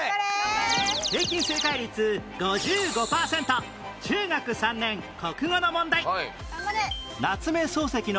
平均正解率５５パーセント中学３年国語の問題